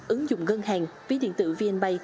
ứng dụng ngân hàng ví điện tử vnp